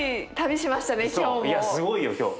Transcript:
いやすごいよ今日。